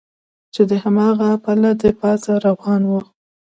چې د هماغه پله له پاسه روان و.